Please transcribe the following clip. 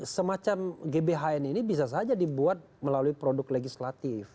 semacam gbhn ini bisa saja dibuat melalui produk legislatif